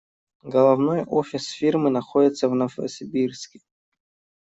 Головной офис фирмы находился в Новосибирске.